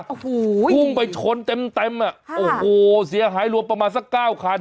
โอ้โหพุ่งไปชนเต็มโอ้โหเสียหายรวมประมาณสัก๙คัน